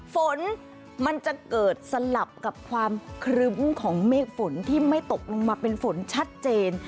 ฝนมันจะเกิดสลับกับความครึ้มของเมฆฝนที่ไม่ตกลงมาเป็นฝนชัดเจน